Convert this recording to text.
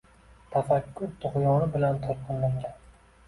Tafakkur tug‘yoni bilan to‘lqinlangan.